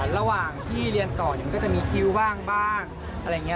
ระหว่างที่เรียนต่อมันก็จะมีคิวบ้างบ้างอะไรอย่างนี้